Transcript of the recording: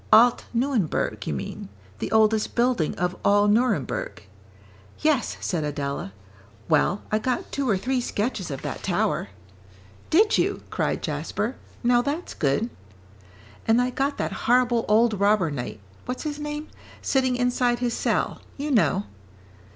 "Alt Nuenberg, you mean, the oldest building of all Nuremberg." "Yes," said Adela, "well, I got two or three sketches of that tower." "Did you?" cried Jasper, "now that's good." "And I got that horrible old robber knight, what's his name? sitting inside his cell, you know."